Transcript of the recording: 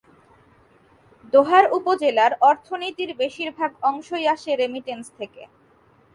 দোহার উপজেলার অর্থনীতির বেশির ভাগ অংশই আসে রেমিটেন্স থেকে।